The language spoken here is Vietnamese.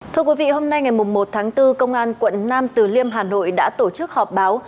thưa quý vị hôm nay ngày một tháng bốn công an quận nam từ liêm hà nội đã tổ chức họp báo